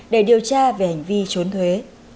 để điều tra về hành vi trốn thuế